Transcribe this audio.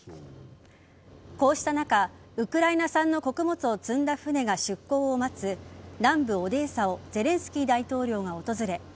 こうした中ウクライナ産の穀物を積んだ船が出港を待つ南部・オデーサをゼレンスキー大統領が訪れ